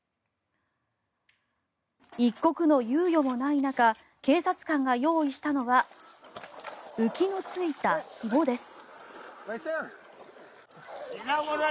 一刻の猶予もない中警察官が用意したのは浮きのついたひもです。